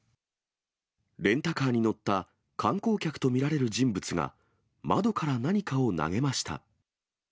レンタカーに乗った観光客と見られる人物が、窓から何かを投げました。